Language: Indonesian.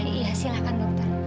iya silakan dokter